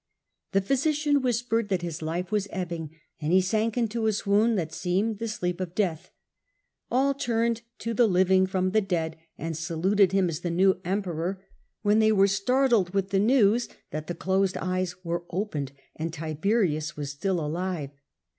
The physician whispered that his life was ebbing, and he sank into a swoon that seemed the sleep of death. All turned to the living from the dead and saluted him as the new Emperor, when they were startled with the news hastened closcd eyes were opened and p^s^biy^by Tiberius was still alive.